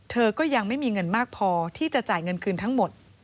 เธอก็ยังไม่มีเงินมากพอที่จะจ่ายเงินคืนทั้งหมด